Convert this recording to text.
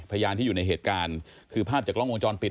พยานที่อยู่ในเหตุการณ์คือภาพจากกล้องวงจรปิด